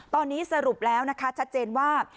ตอนนี้สรุปแล้วนะคะชัดเจนว่า